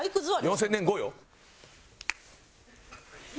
４０００年後よ？